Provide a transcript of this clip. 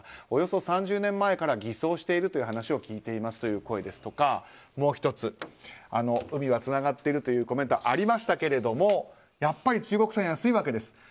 およそ３０年前から偽装しているという話を聞いていますという声ですとかもう１つ、海はつながってるというコメントありましたがやっぱり中国産安いわけです。